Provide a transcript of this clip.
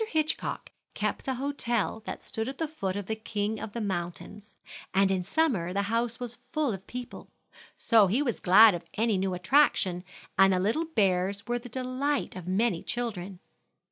Hitchcock kept the hotel that stood at the foot of the king of the mountains, and in summer the house was full of people; so he was glad of any new attraction, and the little bears were the delight of many children.